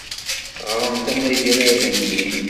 Ɣṛemt amagrad-nni.